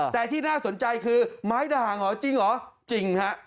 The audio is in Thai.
แต่ที่น่าสนใจคือไม้ด่างเหรอจริงเหรอจริงฮะ